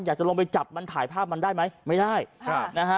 อยากจะลงไปจับมันถ่ายภาพมันได้ไหมไม่ได้ครับนะฮะ